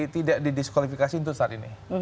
tidak didiskualifikasi untuk saat ini